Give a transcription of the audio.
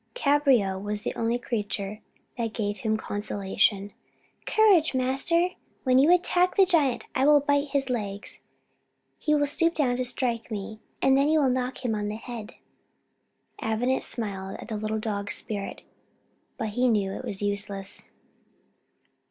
Cabriole was the only creature that gave him consolation: "Courage, master! While you attack the giant, I will bite his legs: he will stoop down to strike me, and then you can knock him on the head." Avenant smiled at the little dog's spirit, but he knew it was useless.